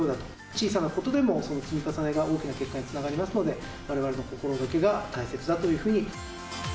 小さなことでもその積み重ねが大きな結果につながりますので、われわれの心がけが大切だというふうに。